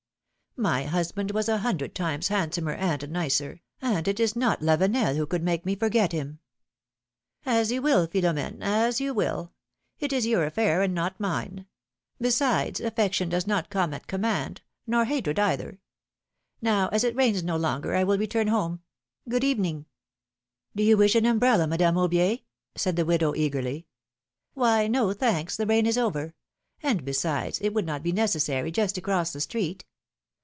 My husband was a hundred times handsomer and nicer, and it is not Lavenel who could make me forget him." ^^As you will, Philomene, as you will. It is your affair and not mine ; besides affection does not come at com mand, nor hatred either. Now, as it rains no longer, I will return home; good evening!" 2 26 philom^:ne's maeriaqes. Do you wish an umbrella, Madame Aubier ? said the widow, eagerly. '^Why, no, thanks, the rain is over; and besides it would not be necessary just to cross the street.